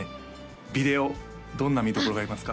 ビデオどんな見どころがありますか？